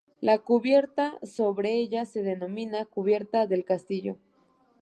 La cubierta sobre ella se denomina cubierta del castillo.